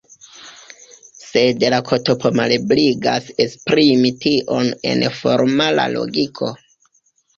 Sed la "ktp" malebligas esprimi tion en formala logiko.